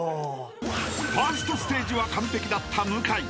［ファーストステージは完璧だった向井］